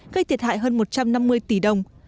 gây thiệt hại hơn một trăm năm mươi tỷ đồng